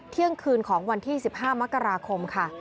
เที่ยงคืนของวันที่๑๕มกราคมค่ะ